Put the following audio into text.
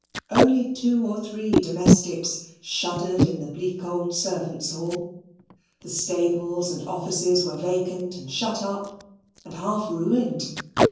Only two or three domestics shuddered in the bleak old servants' hall. The stables and offices were vacant, and shut up, and half ruined.